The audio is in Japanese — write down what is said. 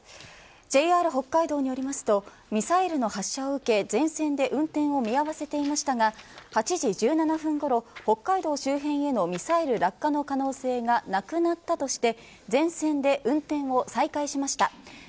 ＪＲ北海道によりますとミサイルの発射を受け、全線で運転を見合わせていましたが８時１７分ごろ、北海道周辺のミサイル落下の可能性がなくなったとして、全線で運転を再開しました。